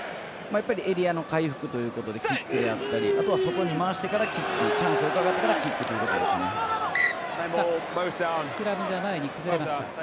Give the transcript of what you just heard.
エリアの回復ということでキックであったりあとは、外に回してからキックチャンスをうかがってからスクラムが前に崩れました。